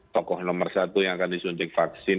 tokoh nomor satu yang akan disuntik vaksin